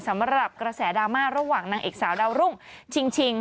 สำหรับกระแสดราม่าระหว่างนางเอกสาวดาวรุ่งชิง